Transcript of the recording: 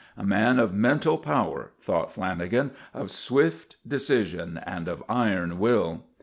A man of mental power, thought Lanagan; of swift decision and of iron will.